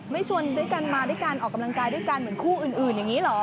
ชวนด้วยกันมาด้วยกันออกกำลังกายด้วยกันเหมือนคู่อื่นอย่างนี้เหรอ